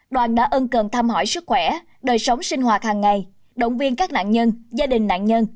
đoàn đã ân cần thăm hỏi sức khỏe đời sống sinh hoạt hàng ngày động viên các nạn nhân gia đình nạn nhân